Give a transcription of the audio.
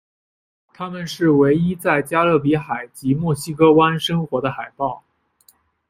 它们是唯一在加勒比海及墨西哥湾生活的海豹。